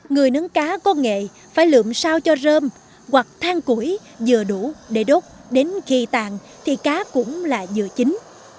người nướng cá có nghệ phải lượm sao cho rơm hoặc thang củi vừa đủ để đốt đến khi tàn thì cá cũng là vừa chín